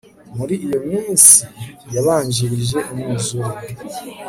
muri iyo minsi yabanjirije umwuzure